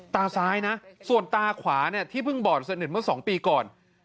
ตาซ้ายนะส่วนตาขวาเนี่ยที่เพิ่งบอดสนิทเมื่อ๒ปีก่อน